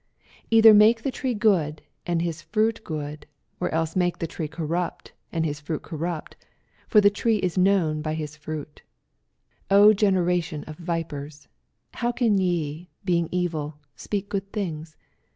^ 88 ijther make the ^"ee good, and his fruit good^ or else make ^e tree corrupt, and his fruit corrupt : for the tree lb known by Ma fruit. 84 generation of vipers, how can ye, being evil, speak good things